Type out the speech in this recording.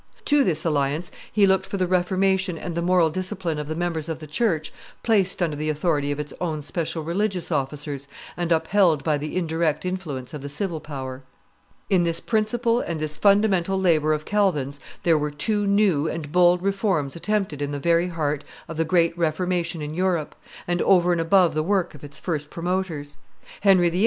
To this alliance he looked for the reformation and moral discipline of the members of the church placed under the authority of its own special religious officers and upheld by the indirect influence of the civil power. In this principle and this fundamental labor of Calvin's there were two new and bold reforms attempted in the very heart of the great Reformation in Europe, and over and above the work of its first promoters. Henry VIII.